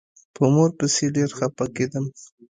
په مور پسې ډېر خپه کېدم.